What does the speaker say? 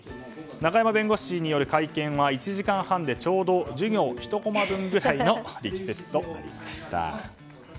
中山弁護士による会見は１時間半でちょうど授業１コマ分ぐらいの力説となりました。